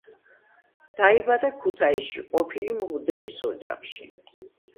დაიბადა ქუთაისში, ყოფილი მღვდლის ოჯახში.